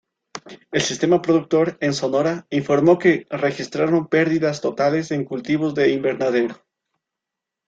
El Sistema Productor en Sonora informó que registraron perdidas totales en cultivos de invernadero.